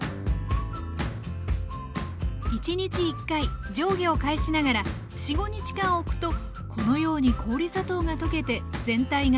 １日１回上下を返しながら４５日間おくとこのように氷砂糖が溶けて全体が赤くなります。